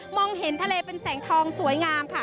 งเห็นทะเลเป็นแสงทองสวยงามค่ะ